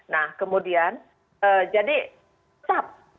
nah kemudian jadi tetap